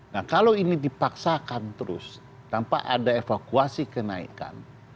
nah kalau ini dipaksakan terus tanpa ada evakuasi kenaikan